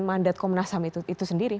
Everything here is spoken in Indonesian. mandat komnas ham itu sendiri